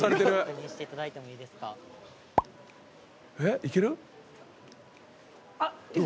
えっいける？